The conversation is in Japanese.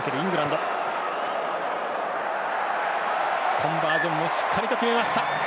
コンバージョンもしっかりと決めました。